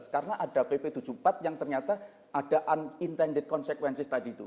karena ada pp tujuh puluh empat yang ternyata ada unintended consequences tadi itu